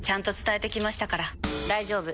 大丈夫！